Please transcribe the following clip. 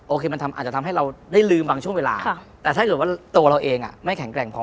อาจจะทำให้เราได้ลืมบางช่วงเวลาแต่ถ้าเกิดว่าตัวเราเองไม่แข็งแกร่งพอ